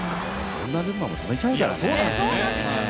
ドンナルンマも止めちゃうからね。